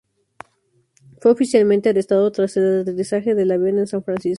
Fue oficialmente arrestado tras el aterrizaje del avión en San Francisco.